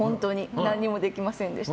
何もできませんでした。